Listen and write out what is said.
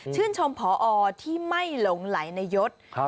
ชื่นชมพอที่ไม่หลงไหลในยดครับ